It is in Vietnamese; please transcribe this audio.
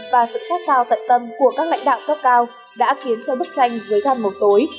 và sự sát sao tận tâm của các lãnh đạo cấp cao đã khiến cho bức tranh dưới than màu tối